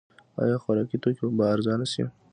آیا خوراکي توکي به ارزانه شي؟